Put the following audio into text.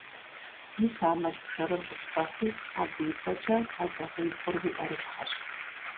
Мис а мэл пшэрыр къысхуэхьи, абы и пӀэкӀэ адакъибгъур уи Ӏэрылъхьэщ.